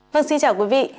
vâng xin chào quý vị